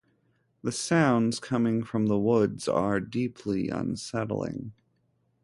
The sounds coming from the woods are deeply unsettling.